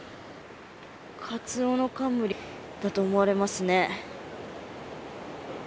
カツオノカンムリだと思われますね。